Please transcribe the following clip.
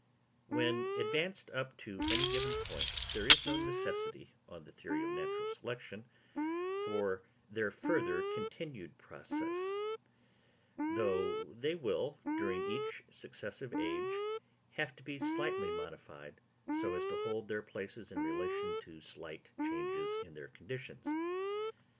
When advanced up to any given point, there is no necessity, on the theory of natural selection, for their further continued process; though they will, during each successive age, have to be slightly modified, so as to hold their places in relation to slight changes in their conditions.